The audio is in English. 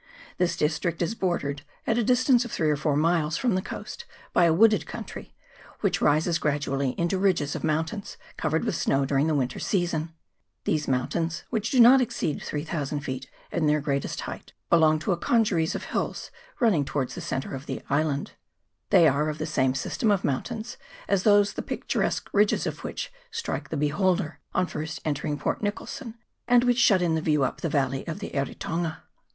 This district is bordered, at a distance of three or four miles from the coast, by a wooded country, which rises gradually into ridges of moun tains covered with snow during the winter season. These mountains, which do not exceed 3000 feet at their greatest height, belong to a congeries of hills running towards the centre of the island. They are of the same system of mountains as tl the picturesque ridges of which strike the beholder on first entering Port Nicholson, and which >hut in the view up the valley of the Eritonga.